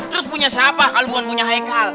terus punya siapa kalau bukan punya haikal